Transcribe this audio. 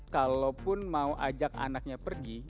kalaupun mau ajak anaknya pergi